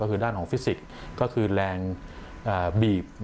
ก็คือด้านของฟิสิกส์ก็คือแรงบีบ